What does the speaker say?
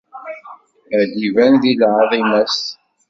Ad d-iban di lɛaḍima-s.